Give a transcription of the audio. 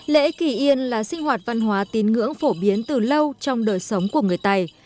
lễ kỳ yên là sinh hoạt văn hóa tín ngưỡng phổ biến từ lâu trong đời sống của người tày